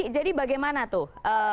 jadi bagaimana tuh